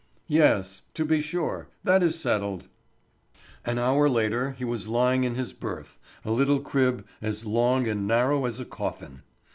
"Yes, to be sure; that is settled." An hour later he was lying in his berth—a little crib as long and narrow as a coffin.